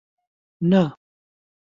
نا.